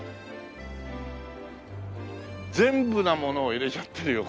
全部のものを入れちゃってるよ